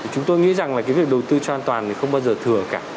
chúng tôi nghĩ rằng là cái việc đầu tư cho an toàn thì không bao giờ thừa cả